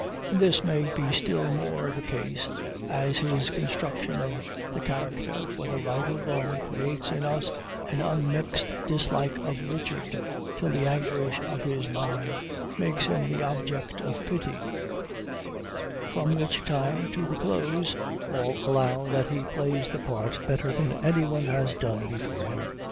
And this may be still more the case, as his construction of the character, whether right or wrong, creates in us an unmixed dislike of Richard, till the anguish of his mind makes him the object of pity; from which time, to the close, all allow that he plays the part better than anyone has done before him.